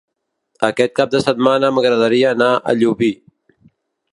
Aquest cap de setmana m'agradaria anar a Llubí.